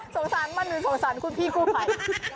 สงสารมันนุษย์สงสารคุณพี่กู้ไพ